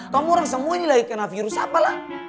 kamu orang semua ini lagi kena virus apa lah